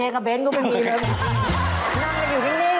เฮกับเบนท์ก็ไม่มีเลย